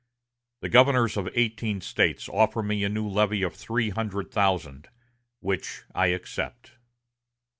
The governors of eighteen States offer me a new levy of three hundred thousand, which I accept."